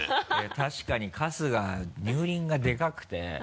確かに春日乳輪がでかくて。